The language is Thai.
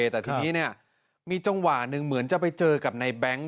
แต่ทีนี้มีจังหวะหนึ่งเหมือนจะไปเจอกับในแบงค์